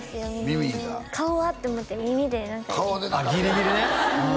耳の顔は！って思って耳でああギリギリね